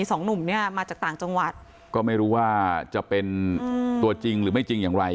สองหนุ่มเนี่ยมาจากต่างจังหวัดก็ไม่รู้ว่าจะเป็นตัวจริงหรือไม่จริงอย่างไร